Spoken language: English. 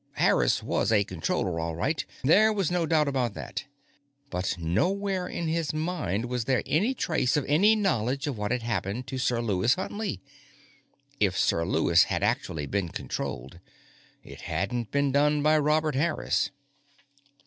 Harris was a Controller, all right; there was no doubt about that. But nowhere in his mind was there any trace of any knowledge of what had happened to Sir Lewis Huntley. If Sir Lewis had actually been controlled, it hadn't been done by Robert Harris.